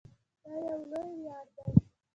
دا یو لوی ویاړ دی.